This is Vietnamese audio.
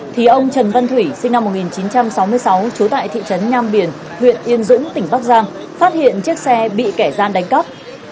thì ông trần văn thủy sinh năm một nghìn chín trăm sáu mươi sáu trú tại thị trấn nham biển huyện yên dũng tỉnh bắc giang phát hiện chiếc xe bị kẻ gian đánh cắp